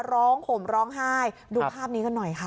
ห่มร้องไห้ดูภาพนี้กันหน่อยค่ะ